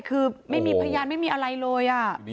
พยายามไม่มีอะไรเลย